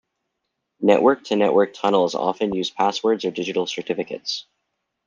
Network-to-network tunnels often use passwords or digital certificates.